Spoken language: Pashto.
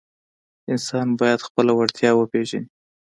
انسان باید خپله وړتیا وپیژني.